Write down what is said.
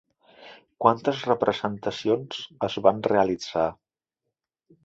Quantes representacions es van realitzar?